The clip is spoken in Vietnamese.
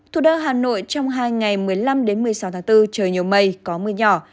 thủ đô hà nội trong hai ngày một mươi năm một mươi sáu tháng bốn trời nhiều mây có mưa nhỏ